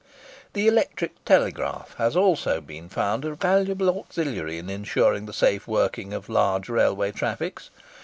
The Electric Telegraph has also been found a valuable auxiliary in ensuring the safe working of large railway traffics.